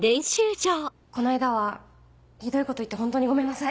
この間はひどいこと言ってホントにごめんなさい。